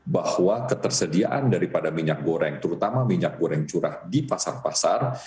bahwa ketersediaan daripada minyak goreng terutama minyak goreng curah di pasar pasar